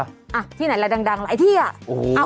อ่ะที่ไหนล่ะดังหลายที่อ่ะ